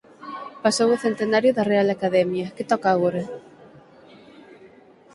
Pasou o centenario de Real Academia, que toca agora?